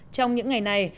trong những ngày này